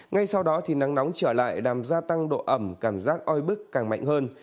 ngay sau đó thì nắng nóng trở lại làm gia tăng độ ẩm cảm giác oi bức càng mạnh hơn